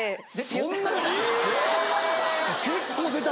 そんな出た！？